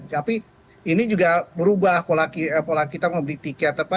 tapi ini juga merubah pola kita mau beli tiket apa